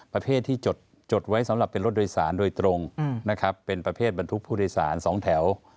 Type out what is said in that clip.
ประเภทที่จดไว้สำหรับเป็นรถโดยศาลโดยตรงเป็นประเภทบรรทุกภูริษาสองแถว